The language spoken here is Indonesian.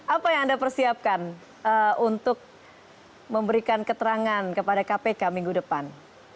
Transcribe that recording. apa yang anda persiapkan untuk memberikan keterangan kepada kpk minggu depan